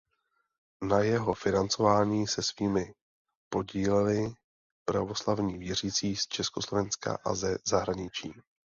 Na jeho financování se svými podíleli pravoslavní věřící z Československa a ze zahraničí.